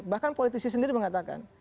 bahkan politisi sendiri mengatakan